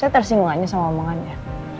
saya tersinggung anche samah omongannya